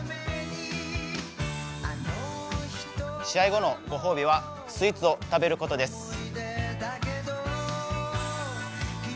試合後のご褒美はスイーツを食べることです。